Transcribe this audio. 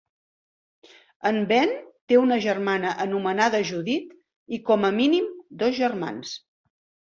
En Ben té una germana anomenada Judith i com a mínim dos germans.